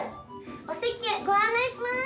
お席へご案内します！